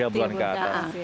tiga bulan ke atas